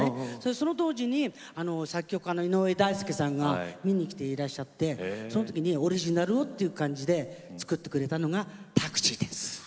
その当時、作曲家の井上大輔さんが見に来ていらっしゃってその時にオリジナルをということで作ってくれたのが「ＴＡＸＩ」です。